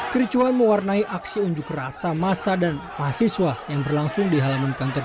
kericuan mewarnai aksi unjuk rasa masa dan mahasiswa yang berlangsung di halaman kantor